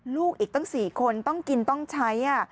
ลูกอีกตั้ง๔คนต้องกินต้องใช้